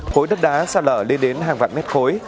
khối đất đá sạt lở lên đến hàng vạn mét khối